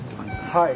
はい。